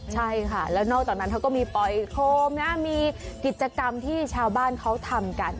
ใช่ค่ะแล้วนอกจากนั้นเขาก็มีปล่อยโคมนะมีกิจกรรมที่ชาวบ้านเขาทำกัน